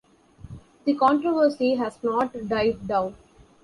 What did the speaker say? The controversy has not died down.